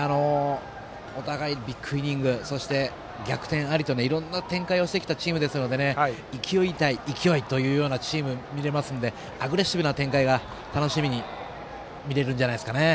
お互いビッグイニングそして逆転ありといろんな展開をしてきたチームですので勢い対勢いというチームが見れますのでアグレッシブな展開が楽しみに見れるんじゃないですかね。